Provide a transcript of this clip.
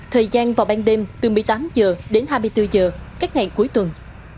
thời gian vào ban đêm từ một mươi tám h đến hai mươi bốn h các ngày cuối tuần